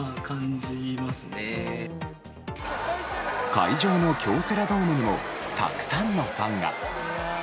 会場の京セラドームにもたくさんのファンが。